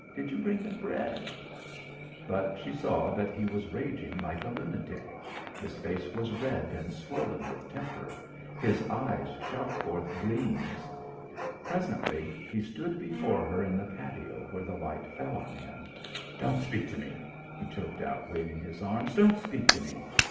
Did ye bring the bread?" But she saw that he was raging like a lunatic. His face was red and swollen with temper; his eyes shot forth gleams. Presently he stood before her in the patio where the light fell on him. "Don't speak to me," he choked out waving his arms. "Don't speak to me!